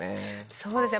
そうですね